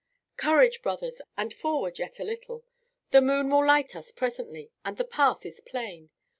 "Courage, brothers, and forward yet a little! The moon will light us presently, and the path is plain.